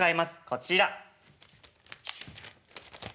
こちら。